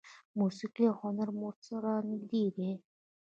موسیقي او هنر مو سره نږدې دي.